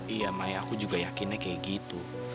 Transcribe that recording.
iya maya aku juga yakinnya kayak gitu